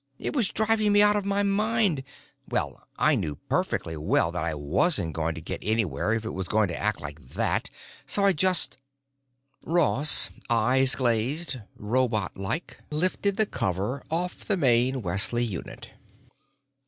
It was driving me out of my mind. Well, I knew perfectly well that I wasn't going to get anywhere if it was going to act like that, so I just——" Ross, eyes glazed, robotlike, lifted the cover off the main Wesley unit.